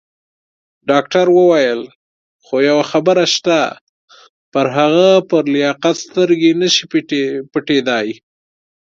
ډاکټر وویل: خو یوه خبره شته، پر هغه پر لیاقت سترګې نه شي پټېدای.